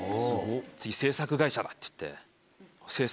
次制作会社だっていって。